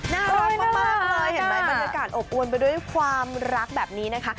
น่ารักมากเลยเห็นไหมบรรยากาศอบอวนไปด้วยความรักแบบนี้นะคะ